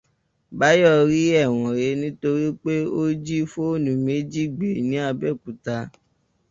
Báyọ̀ rí ẹ̀wọ̀n he nítorí pé ó jí fóònù méjì gbé ní Abẹ́òkúta.